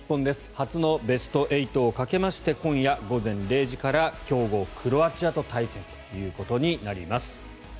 初のベスト８をかけまして今夜、午前０時から強豪クロアチアと対戦ということになります。